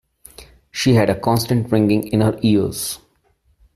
She had a constant ringing in her ears.